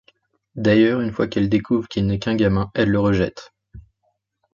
D’ailleurs, une fois qu'elle découvre qu'il n'est qu'un gamin, elle le rejette.